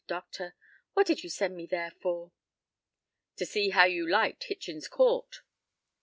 doctor, what did you send me there for?" "To see how you liked Hitchen's Court."